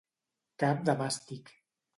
Cap de màstic.